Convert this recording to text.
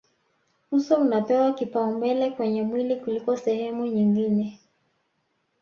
uso unapewa kipaumbele kwenye mwili kuliko sehemu nyingine